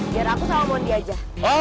biar aku sama mondi aja